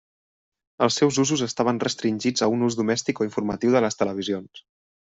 Els seus usos estaven restringits a un ús domèstic o informatiu de les televisions.